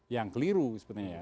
yang geliru sepertinya ya